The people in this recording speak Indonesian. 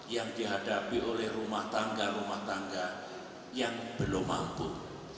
yang dihadapi oleh rumah tangga rumah tangga rumah tangga rumah ketiga jauh rumah keempat rumah keempat rumah keempat